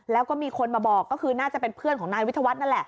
แล้วก็มีคนมาบอกก็คือน่าจะเป็นเพื่อนของนายวิทยาวัฒน์นั่นแหละ